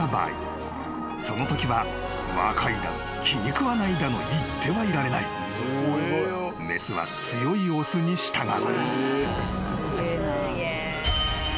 ［そのときは若いだの気に食わないだの言ってはいられない］［雌は強い雄に従う］